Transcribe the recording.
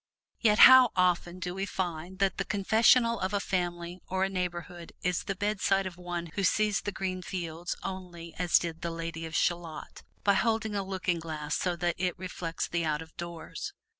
Yet how often do we find that the confessional of a family or a neighborhood is the bedside of one who sees the green fields only as did the Lady of Shalott, by holding a looking glass so that it reflects the out of doors.